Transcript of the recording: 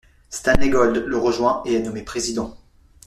Stanley Gold le rejoint et est nommé président.